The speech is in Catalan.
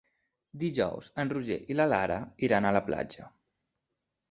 Dijous en Roger i na Lara iran a la platja.